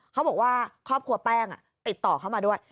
เขาบอกว่าครอบครัวแป้งติดต่อเข้ามาด้วย